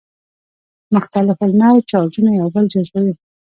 مختلف النوع چارجونه یو بل جذبوي.